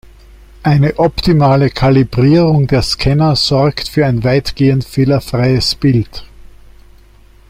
Eine optimale Kalibrierung der Scanner sorgt für ein weitgehend fehlerfreies Bild.